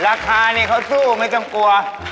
รักฐานี่เขาสู้ไม่จำกลัว